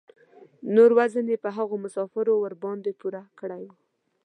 نور وزن یې په هغو مسافرو ورباندې پوره کړی و.